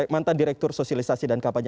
mantan direktur sosialisasi dan kampanye